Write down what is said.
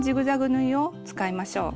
縫いを使いましょう。